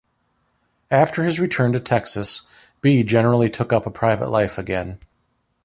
After his return to Texas, Bee generally took up a private life again.